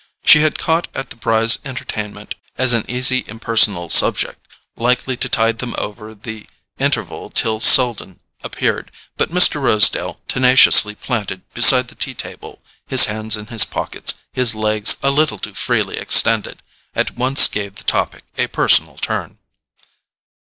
She had caught at the Brys' entertainment as an easy impersonal subject, likely to tide them over the interval till Selden appeared, but Mr. Rosedale, tenaciously planted beside the tea table, his hands in his pockets, his legs a little too freely extended, at once gave the topic a personal turn.